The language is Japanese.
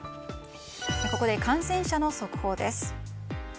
ここで感染者の速報です。